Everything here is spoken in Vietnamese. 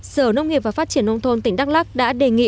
sở nông nghiệp và phát triển nông thôn tỉnh đắk lắc đã đề nghị